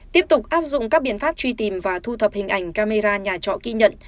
tiếp tục áp dụng các biện pháp truy tìm và thu thập hình ảnh camera nhà trọ ghi nhận